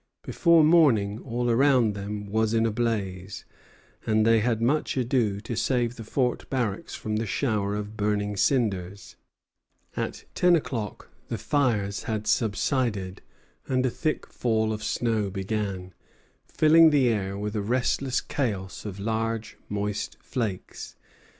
Before morning all around them was in a blaze, and they had much ado to save the fort barracks from the shower of burning cinders. At ten o'clock the fires had subsided, and a thick fall of snow began, filling the air with a restless chaos of large moist flakes.